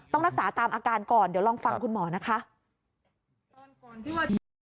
ต้องรักษาตามอาการก่อนเดี๋ยวลองฟังคุณหมอนะคะ